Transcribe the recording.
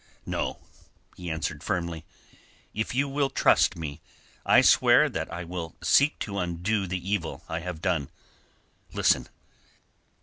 "No," he answered firmly. "If you will trust me, I swear that I will seek to undo the evil I have done. Listen.